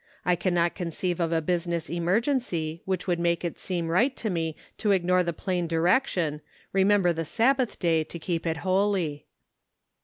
I can not conceive of a business emergency which would make it seem right to me to ignore the plain direction: ' Remember the Sabbath day to keep it holy.'